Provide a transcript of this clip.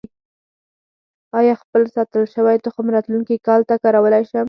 آیا خپل ساتل شوی تخم راتلونکي کال ته کارولی شم؟